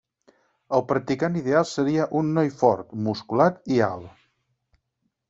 El practicant ideal seria un noi fort, musculat i alt.